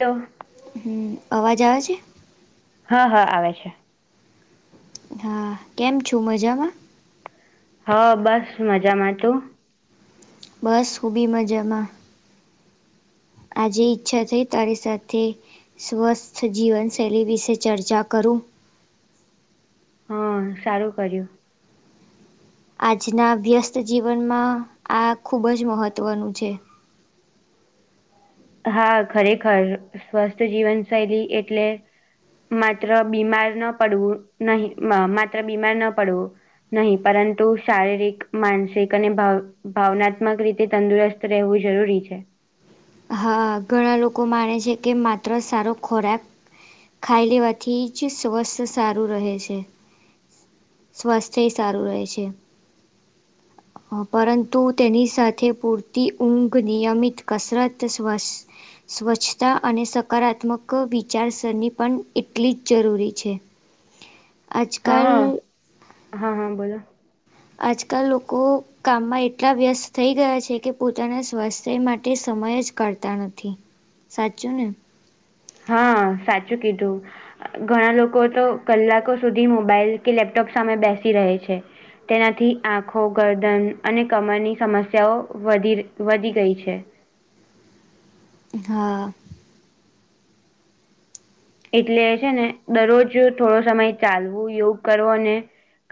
Hello. હમ્મ અવાજ આવે છે. હા હા આવે છે. હા કેમ છો મજામાં. હા બસ મજામાં તું? બસ હું બી મજામાં. આજે ઈચ્છા થઈ તારી સાથે સ્વસ્થ જીવનશૈલી વિશે ચર્ચા કરું. હા સારું કર્યું. આજના વ્યસ્ત જીવનમાં આ ખૂબજ મહત્ત્વનું છે. હા ખરેખર સ્વસ્થ જીવન શૈલી એટલે માત્ર બીમાર ન પડવું નહી માત્ર બીમાર ન પડવું. નહી પરંતુ શારીરિક માનસિક અને ભાવ ભાવનાત્મક રીતે તંદુરસ્ત રહેવું જરૂરી છે. હા ઘણા લોકો માને છે કે માત્ર સારો ખોરાક ખાઈ લેવાથી જ સ્વાસ્થ્ય સારું રહે છે. સ્વાસ્થ્ય સારું રહે છે. પરંતુ તેની સાથે પૂરતી ઊંઘ નિયમિત કસરત તો સ્વાસ્થ્ય સ્વચ્છતા અને સકારાત્મક વિચારસરણી પણ એટલી જ જરૂરી છે. આજ કાલ હા હા, હા, બોલો. આજકાલ લોકો કામમાં એટલા વ્યસ્ત થઈ ગયા છે કે, પોતાના સ્વાસ્થ્ય માટે સમય જ કરતા નથી. સાચું ને? હા, સાચું કીધું. ઘણા લોકો તો કલાકો સુધી મોબાઈલ કે લેપટોપ સામે બેસી રહે છે. તેનાથી આંખો, ગરદન અને કમરની સમસ્યાઓ વધી, વધી-વધી ગઈ છે. હા. એટલે છે ને દરરોજ થોડો સમય ચાલવું, યોગ કરવો ને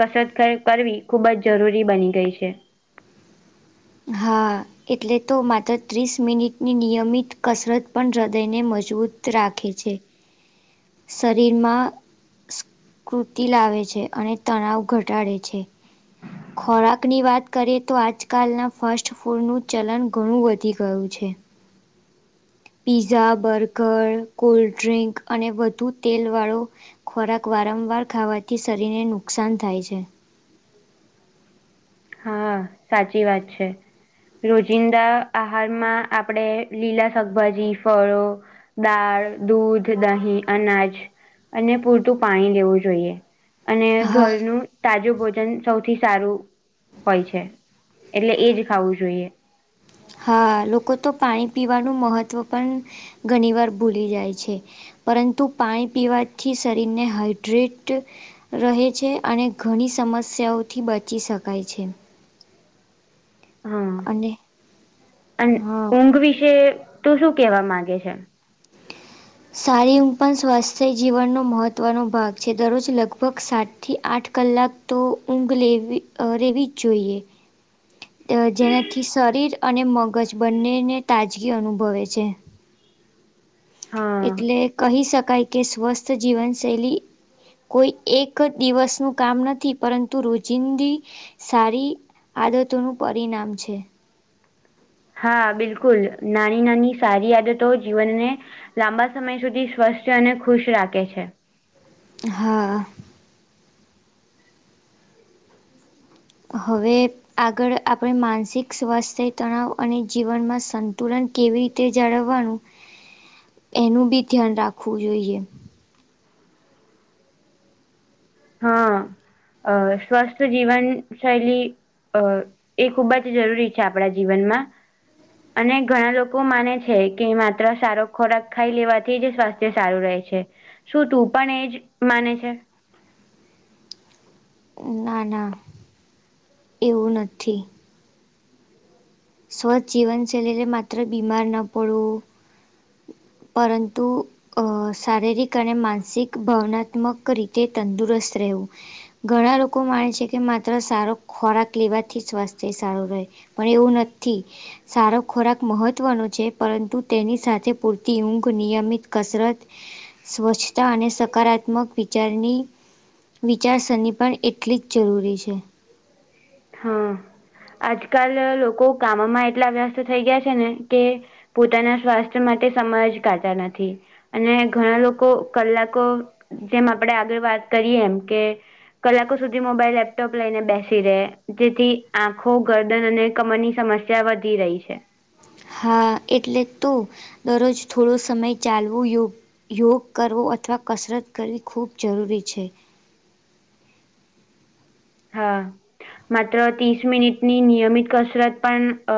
કસરત કર કરવી ખૂબ જ જરૂરી બની ગઈ છે. હા. એટલે જ તો માત્ર ત્રીસ મિનિટની નિયમિત કસરત પણ, હૃદયને મજબૂત રાખે છે. શરીરમાં સ્ફૂર્તિ લાવે છે, અને તણાવ ઘટાડે છે. ખોરાકની વાત કરીએ તો આજકાલના ફાસ્ટ ફૂડનું ચલન ઘણું વધી ગયું છે. પીઝા, બર્ગર, કોલ્ડડ્રિંક અને વધુ તેલવાળો ખોરાક વારંવાર ખાવાથી શરીરને નુકસાન થાય છે. હા, સાચી વાત છે. રોજિંદા આહારમાં આપણે લીલા શાકભાજી, ફળો દાળ, દૂધ, દહીં, અનાજ અને પૂરતું પાણી લેવું જોઈએ. અને હા ઘરનું તાજું ભોજન સૌથી સારું હોય છે. એટલે એ જ ખાવું જોઈએ. હા. લોકો તો પાણી પીવાનું મહત્ત્વ પણ ઘની વાર ભૂલી જાય છે. પરંતુ પાણી પીવાથી શરીરને હાઈડ્રેટ રહે છે, અને ઘણી સમસ્યાઓથી બચી શકાય છે. હા. અને અને હા ઊંઘ વિશે તું શું કહેવા માંગે છે? સારી ઊંઘ પણ સ્વાસ્થ્ય જીવનનો મહત્વનો ભાગ છે. દરરોજ લગભગ સાત થી આઠ કલાક તો ઊંઘ લેવી રહેવી જ જોઈએ. અહ જેનાથી શરીર અને મગજ બંનેને તાજગી અનુભવે છે. હા એટલે કહી શકાય કે સ્વસ્થ જીવનશૈલી કોઈ એક દિવસનું કામ નથી, પરંતુ રોજિંદી સારી આદતોનું પરિણામ છે. હા બિલકુલ. નાની-નાની સારી આદતો જીવનને લાંબા સમય સુધી સ્વસ્થ અને ખુશ રાખે છે. હા. હવે આગળ આપણે માનસિક સ્વાસ્થ્ય, તણાવ અને જીવનમાં સંતુલન કેવી રીતે જાળવવાનું એનું બી ધ્યાન રાખવું જોઈએ. હા. અહ સ્વસ્થ જીવનશૈલી અહ એ ખૂબ જ જરૂરી છે આપણા જીવનમાં. અને ઘણા લોકો માને છે કે માત્ર સારો ખોરાક ખાઈ લેવાથી જ સ્વાસ્થ થય સારું રહે છે. શું તું પણ એજ માને છે? અમ્મ ના, ના, એવું નથી. સ્વચ્છ જીવનશૈલીને માત્ર બીમાર ન પડવું પરંતુ અ શારીરિક અને માનસિક ભાવનાત્મક રીતે તંદુરસ્ત રહેવું. ઘણા લોકો માને છે કે માત્ર સારો ખોરાક લેવાથી સ્વાસ્થ્ય સારું રહે. પણ એવું નથી. સારો ખોરાક મહત્વનો છે પરંતુ તેની સાથે પૂરતી ઊંઘ, નિયમિત કસરત સ્વચ્છતા અને સકારાત્મક વિચારની વિચારસરણી પણ એટલી જ જરૂરી છે. હા, આજકાલ લોકો કામમાં એટલા વ્યસ્ત થઈ ગયા છે ને કે પોતાના સ્વાસ્થ્ય માટે સમય જ કાઢતા નથી. અને ઘણા લોકો કલાકો જેમ આપણેે આગળ વાત કરીએ એમ કે કલાકો સુધી મોબાઈલ, લેપટોપ લઈને બેસી રહે. જેથી આંખો, ગરદન અને કમરની સમસ્યા વધી રહી છે. હા, એટલે જ તો, દરરોજ થોડો સમય ચાલવું યોગ યોગ કરવો અથવા કસરત કરવી ખૂબ જરૂરી છે. હા, માત્ર ત્રીસ મિનિટની નિયમિત કસરત પણ અ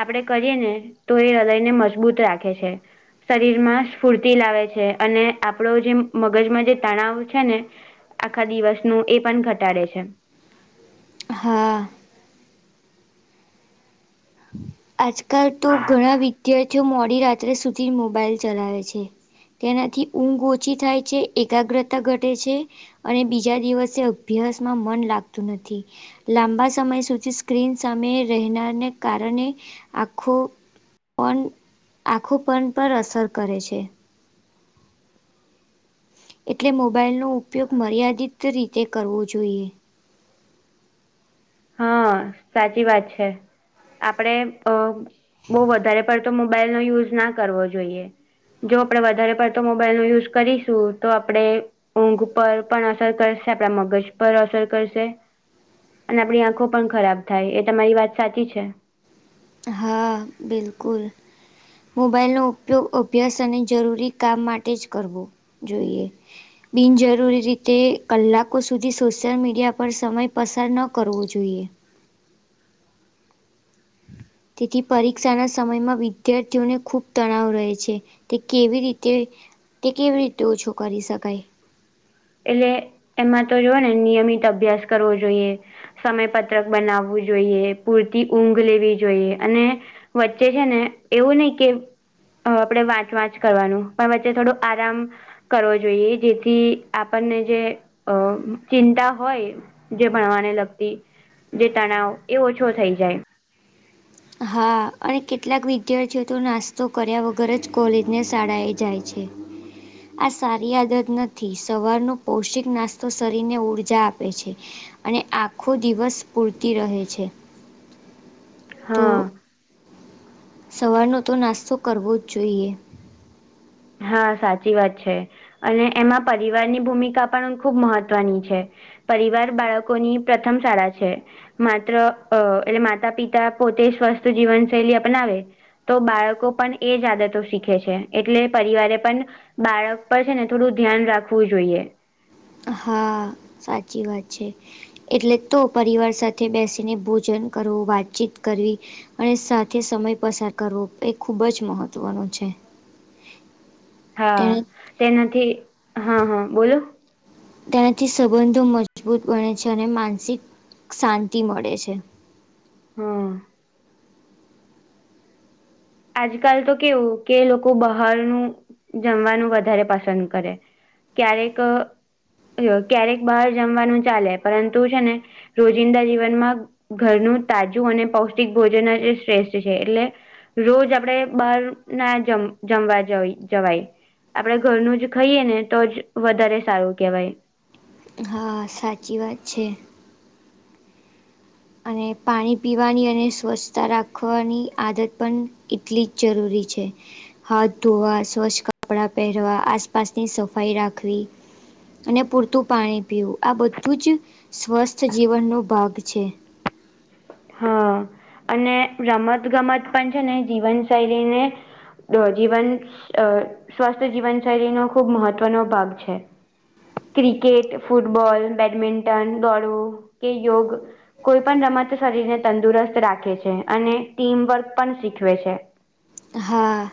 આપદે કરીએને તો એ હૃદયને મજબૂત રાખે છે. શરીરમાં સ્ફૂર્તિ લાવે છે અને આપણો જે મગજમાં જે તણાવ છે ને આખા દિવસનું એ પણ ઘટાડે છે. હા. હ [inaudible] આજકાલ તો ઘણા વિધાર્થીઓ મોડી રાત્રે સુધી મોબાઈલ ચલાવે છે. તેનાથી ઊંઘ ઓછી થાય છે, એકાગ્રતા ઘટે છે. અને બીજા દિવસે અભ્યાસમાં મન લાગતું નથી. લાંબા સમય સુધી સ્ક્રીન સામે રહેનારને કારણે આંખો પણ આંખો પણ પર અસર કરે છે. એટલે મોબાઈલનો ઉપયોગ મર્યાદિત રીતે કરવો જોઈએ. હા, સાચી વાત છે આપડે અ બહુ વધારે પડ તો મોબાઈલનો યુઝ ના કરવો જોઈએ. જો આપણેે વધારે પડતો મોબાઈલનો યુઝ કરીશું તો આપડે ઊંઘ પર પણ અસર કરશે. આપણા મગજ પર અસર કરશે. અને આપણી આંખો પણ ખરાબ થાય. એ તમારી વાત સાચી છે. હા, બિલકુલ. મોબાઈલનો ઉપયોગ અભ્યાસ અને જરૂરી કામ માટે જ કરવો જોઈએ. બિનજરૂરી રીતે કલાકો સુધી સોશિયલ મીડિયા પર સમય પસાર ન કરવો જોઈએ. તેથી પરીક્ષાના સમયમાં વિદ્યાર્થીઓને ખૂબ તણાવ રહે છે. તે કેવી રીતે તે કેવી રીતે ઓછો કરી શકાય. એટલે એમાં તો જોવે ને નિયમિત અભ્યાસ કરવો જોઈએ. સમય પત્રક બનાવવું જોઈએ, પૂરતી ઊંઘ લેવી જોઈએ. અને વચ્ચે છે ને એવું નહીં કે અહ આપણે વાંચ-વાંચ કરવાનું. પણ વચ્ચે થોડું આરામ કરવો જોઈએ, એ જેથી આપણને જે અહ ચિંતા હોય જે ભણવાને લગતી જે તણાવ એ ઓછો થઈ જાય. હા. અને કેટલાક વિદ્યાર્થીઓ તો નાસ્તો કર્યા વગર જ કોલેજ ને શાળાએ જાય છે. આ સારી આદત નથી. સવારનો પૌષિક નાસ્તો શરીરને ઉર્જા આપે છે. અને આખું દિવસ સ્ફુર્તિ રહે છે. તો હા. સવારનો તો નાસ્તો કરવો જ જોઈએ. હા સાચી વાત છે. અને એમાં પરિવારની ભૂમિકા પણ ખૂબ મહત્વની છે. પરિવાર બાળકોની પ્રથમ શાળા છે. માત્ર અહ એટલે માતા-પિતા પોતે સ્વસ્થ જીવનશૈલી અપનાવે તો બાળકો પણ એ જ આદતો શીખે છે. એટલે પરિવારે પણ બાળક પર છે ને થોડું ધ્યાન રાખવું જોઈએ. હા, સાચી વાત છે. એટલે જ તો પરિવાર સાથે બેસીને ભોજન કરવું, વાતચીત કરવી અને સાથે સમય પસાર કરવો એ ખૂબ જ મહત્વનો છે. હા. તેને તેનાથી હા, હા બોલો. તેનાથી સંબંધો મજબૂત બને છે. અને માનસિક શાંતિ મળે છે. હા. આજકાલ તો કેવું, કે લોકો બહારનું જમવાનું વધારે પસંદ કરે. ક્યારેક અહ ક્યારેક બહાર જમવાનું ચાલે. પરંતુ છે ને રોજિંદા જીવનમાં ઘરનું તાજું અને પૌષ્ટિક ભોજન જ શ્રેષ્ઠ છે. એટલે રોજ આપણે બહાર ના જમ જમવા જવી જવાય. આપણે ઘરનું જ ખઈએ ને, તો જ વધારે સારું કહેવાય. હા સાચી વાત છે. અને પાણી પીવાની અને સ્વચ્છતા રાખવાની આદત પણ એટલી જ જરૂરી છે. હાથ ધોવા, સ્વચ્છ કપડા પહેરવા, આસપાસની સફાઈ રાખવી અને પૂરતું પાણી પીવું, આ બધું જ સ્વસ્થ જીવનનો ભાગ છે. હા. અને રમત-ગમત પણ છે ને જીવન શૈલીને જ જીવન અહ સ્વસ્થ જીવન શૈલીનો ખૂબ મહત્વનો ભાગ છે. ક્રિકેટ, ફુટબોલ, બેડમિન્ટન, દોડવુ કે યોગ કોઈ પણ રમત શરીરને તંદુરસ્ત રાખે છે. અને ટીમવર્ક પણ શીખવે છે. હા.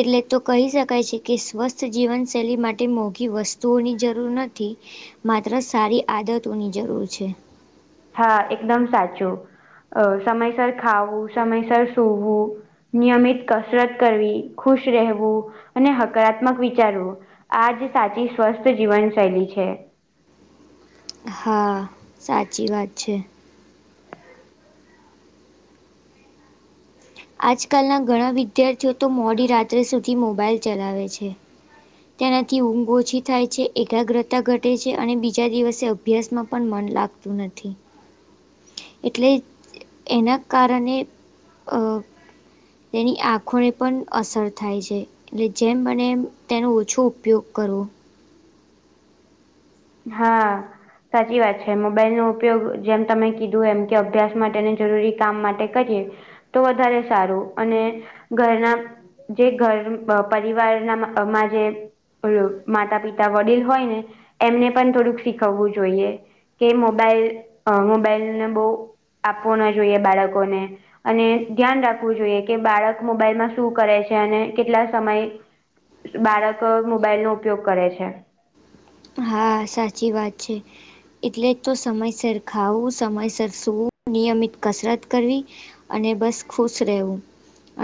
એટલે જ તો કહી શકાય છે, કે સ્વસ્થ જીવનશૈલી માટે મોંઘી વસ્તુઓની જરૂર નથી. માત્ર સારી આદતોની જરૂર છે. હા એકદમ સાચું. અહ સમયસર ખાવું, સમયસર સૂવું નિયમિત કસરત કરવી, ખુશ રહેવું અને હકારાત્મક વિચારવું. આજ સાચી સ્વસ્થ જીવન શૈલી છે. હા. સાચી વાત છે. આજકાલના ઘણા વિદ્યાર્થીઓ તો મોડી રાત્રે સુધી મોબાઈલ ચલાવે છે. તેનાથી ઊંઘ ઓછી થાય છે, એકાગ્રતા ઘટે છે, અને બીજા દિવસે અભ્યાસમાં પણ મન લાગ તું નથી. એટલે જ એના કારણે અહ એની આંખોને પણ અસર થાય છે. એટલે જેમ બને એમ તેનો ઓછો ઉપયોગ કરવો. હા. સાચી વાત છે, મોબાઈલ નો ઉપયોગ જેમ તમે કીધું એમ કે અભ્યાસ માટે અને જરૂરી કામ માટે કરીએ તો વધારે સારું અને ઘરના જે ઘર અ પરિવારના માં આ માં જે માતા પિતા વડીલ હોય ને એમને પણ થોડુંક શીખવવું જોઈએ. કે મોબાઈલ અ મોબાઈલને બૌ આપવો ના જોઈએ બાળકોને. અને ધ્યાન રાખવું જોઈએ કે બાળક મોબાઈલમાં શું કરે છે અને કેટલા સમય બાળકો મોબાઈલ નો ઉપયોગ કરે છે. હા, સાચી વાત છે. એટલે જ તો સમયસર ખાવું, સમયસર સૂવું, નિયમિત કસરત કરવી અને બસ ખુશ રહેવુ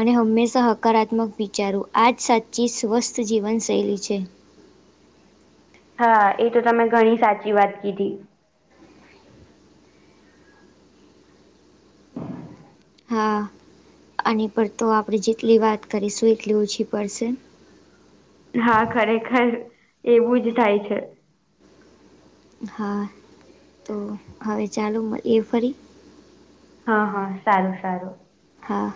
અને હંમેશા હકારાત્મક વિચારવુ આ જ સાચી સ્વસ્થ જીવનશૈલી છે. હા, એ તો તમે ઘણી સાચી વાત કીધી. [inaudible] હા. આની પર તો આપણે જેટલી વાત કરીશું એટલી ઓછી પડશે. હા, ખરેખર એવું જ થાય છે. હા, તો હવે ચાલો મળીએ ફરી. હા હા, સારું સારું. હા.